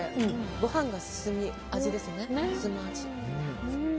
ご飯が進む味ですね。